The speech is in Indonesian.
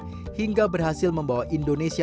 erick thohir juga menunjukkan kemampuan tersebut di indonesia